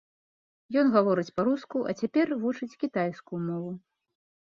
Ён гаворыць па-руску, а цяпер вучыць кітайскую мову.